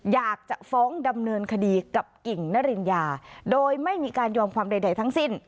อยากจะฟ้องดำเนินคดีกับกิ่งนริญญาโดยไม่มีการยอมความใดทั้งสิ้น